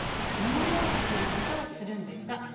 どのようなとり方をするんですか？